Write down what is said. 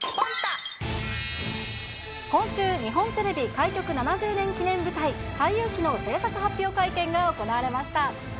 今週、日本テレビ開局７０年記念舞台、西遊記の制作発表会見が行われました。